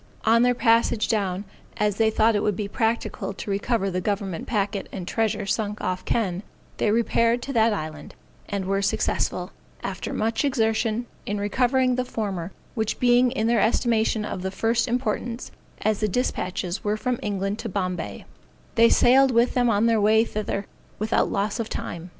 On their passage down, as they thought it would be practicable to recover the government packet and treasure sunk off Kenn, they repaired to that island, and were successful, after much exertion, in recovering the former, which being in their estimation of the first importance, as the dispatches were from England to Bombay, they sailed with them on their way thither, without loss of time.